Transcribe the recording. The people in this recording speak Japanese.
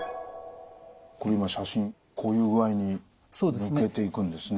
これ今写真こういう具合にむけていくんですね。